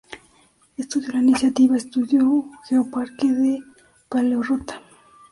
Esto dio la iniciativa a estudio geoparque de paleorrota.